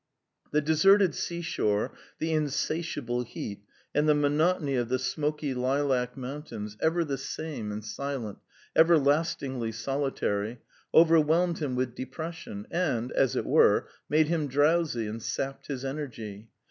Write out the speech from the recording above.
The deserted seashore, the insatiable heat, and the monotony of the smoky lilac mountains, ever the same and silent, everlastingly solitary, overwhelmed him with depression, and, as it were, made him drowsy and sapped his energy.